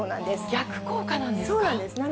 逆効果なんですか。